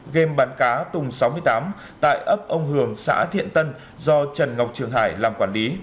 game bắn cá tùng sáu mươi tám tại ấp ông hường xã thiện tân do trần ngọc trường hải làm quản lý